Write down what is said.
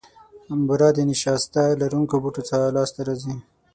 بوره د نیشاسته لرونکو بوټو څخه لاسته راځي.